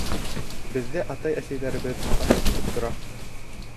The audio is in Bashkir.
Беҙҙе атай-әсәйҙәребеҙ һағынып көтөп тора!